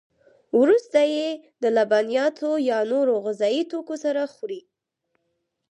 وروسته یې د لبنیاتو یا نورو غذایي توکو سره خوري.